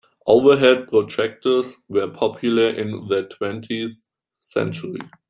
Overhead projectors were popular in the twentieth century.